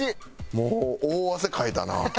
もう大汗かいたな。